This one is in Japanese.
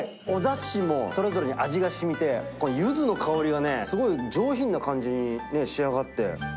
おだしもそれぞれに味がしみて、ゆずの香りがね、すごい上品な感じに仕上がって。